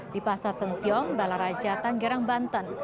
di pasar sentiong balaraja tanggerang banten